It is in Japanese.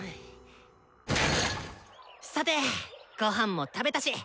さてごはんも食べたし！